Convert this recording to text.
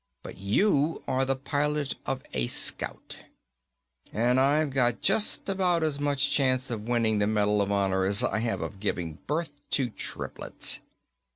But you are the pilot of a Scout." "And I've got just about as much chance of winning the Medal of Honor as I have of giving birth to triplets."